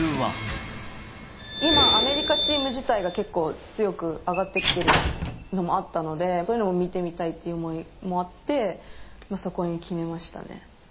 今、アメリカチーム自体が結構、強く上がってきてるのもあったので、そういうのを見てみたいという思いもあって、そこに決めましたね。